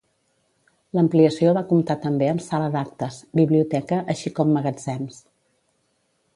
L'ampliació va comptar també amb sala d'actes, biblioteca així com magatzems.